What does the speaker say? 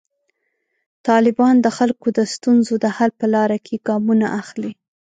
طالبان د خلکو د ستونزو د حل په لاره کې ګامونه اخلي.